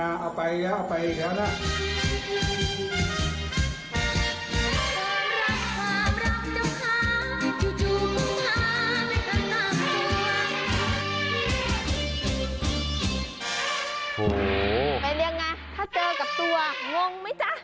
เป็นยังไงถ้าเจอกับตัวงงไหมจ๊ะ